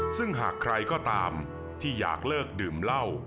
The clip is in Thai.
ซึ่งหากใครก็ตามที่อยากเลิกดื่มเหล้า